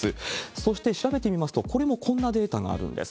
そして調べてみますと、これもこんなデータがあるんです。